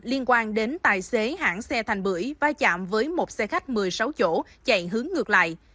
liên quan đến tài xế hãng xe thành bưởi vai chạm với một xe khách một mươi sáu chỗ chạy hướng ngược lại